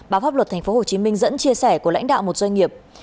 báo pháp luật tp hcm dẫn chia sẻ của lãnh đạo một doanh nghiệp